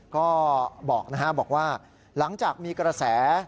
ก็บอกว่าหลังจากมีกระแส